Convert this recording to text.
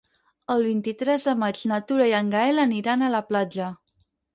El vint-i-tres de maig na Tura i en Gaël aniran a la platja.